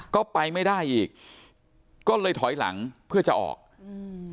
ก็ไปไม่ได้อีกก็เลยถอยหลังเพื่อจะออกอืม